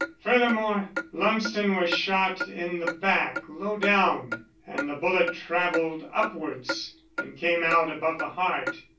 Furthermore, Lumsden was shot in the back low down, and the bullet travelled upwards and came out above the heart.